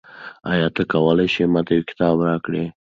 آیا ته کولای شې ما ته یو کتاب راکړې؟